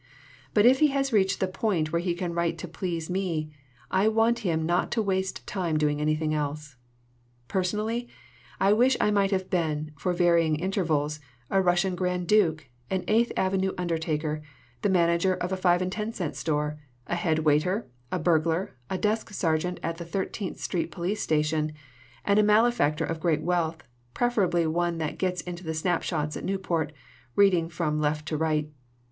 But if he has reached the point where he can write to please me, I want him not to waste time doing anything else. "Personally, I wish I might have been, for vary ing intervals, a Russian Grand Duke, an Eighth Avenue undertaker, the manager of a five and ten cent store, a head waiter, a burglar, a desk ser 8 113 LITERATURE IN THE MAKING geant at the Thirtieth Street Police Station, and a malefactor of great wealth, preferably one that gets into the snapshots at Newport, reading from left to right.